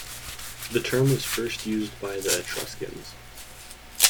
The term was first used by the Etruscans.